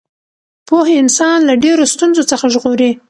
پوهه انسان له ډېرو ستونزو څخه ژغوري.